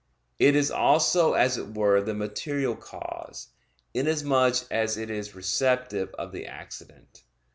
It is also as it were the material cause, inasmuch as it is receptive of the accident.